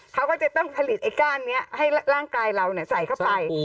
เขาก็จะต้องผลิตไอ้ก้านนี้ให้ร่างกายเราใส่เข้าไป